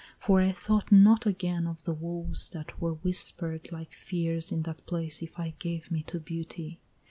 for I thought not again Of the woes that were whisper'd like fears in that place If I gave me to beauty.